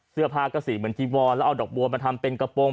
เสื้อผ้าก็สีเหมือนจีวอนแล้วเอาดอกบัวมาทำเป็นกระโปรง